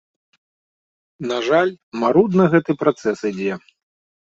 На жаль, марудна гэты працэс ідзе.